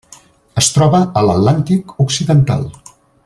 Es troba a l'Atlàntic occidental.